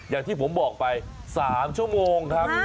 อย่างที่ผมบอกไป๓ชั่วโมงครับ